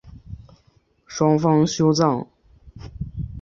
双方暂时休战。